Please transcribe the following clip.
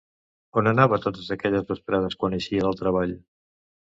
On anava totes aquelles vesprades quan eixia del treball?